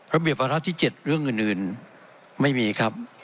ระเบียบวาระที่๗เรื่องอื่นไม่มีครับ